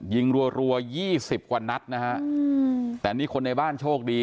รัวยี่สิบกว่านัดนะฮะแต่นี่คนในบ้านโชคดี